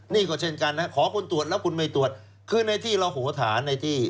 นี่ก็เช่นกันนะขอคุณตรวจแล้วคุณไม่ตรวจคือในที่เราโหฐานในที่